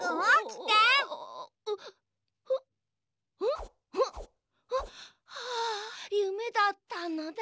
ん？はあゆめだったのだ。